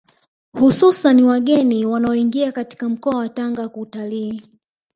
Hususani wageni wanaoingia katika mkoa wa Tanga kutalii